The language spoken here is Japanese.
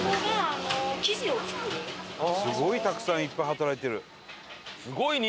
すごいたくさんいっぱい働いてる。